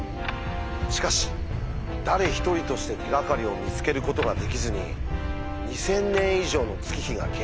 しかし誰一人として手がかりを見つけることができずに２，０００年以上の月日が経過。